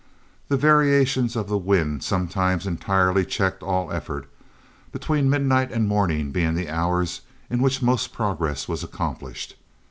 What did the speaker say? The variations of the wind sometimes entirely checked all effort, between midnight and morning being the hours in which most progress was accomplished.